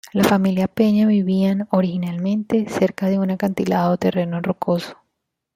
La familia Peña vivían, originalmente, cerca de un acantilado o terreno rocoso.